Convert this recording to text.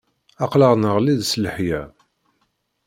Aqlaɣ neɣli-d s leḥya.